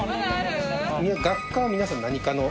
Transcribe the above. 学科は皆さん何科の。